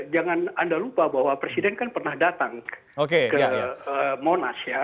jangan anda lupa bahwa presiden kan pernah datang ke monas ya